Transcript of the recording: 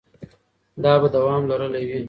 دا به دوام لرلی وي.